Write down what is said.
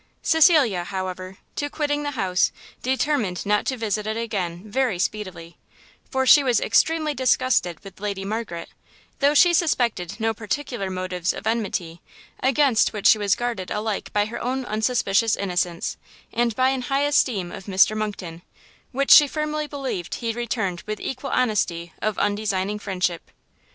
Cecilia, however, to quitting the house, determined not to visit it again very speedily; for she was extremely disgusted with Lady Margaret, though she suspected no particular motives of enmity, against which she was guarded alike by her own unsuspicious innocence, and by an high esteem of Mr Monckton, which she firmly believed he returned with equal honesty of undesigning friendship.